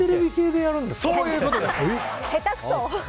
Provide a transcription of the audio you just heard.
そういうことです！